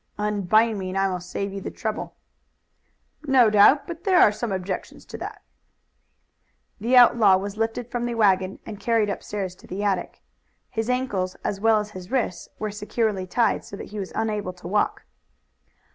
"Unbind me and I will save you the trouble." "No doubt; but there are some objections to that." The outlaw was lifted from the wagon and carried upstairs to the attic. His ankles as well as his wrists were securely tied, so that he was unable to walk.